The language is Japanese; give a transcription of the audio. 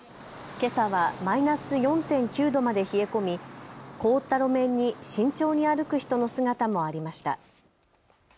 けさはマイナス４．９度まで冷え込み、凍った路面に慎重に歩く人の姿もありました。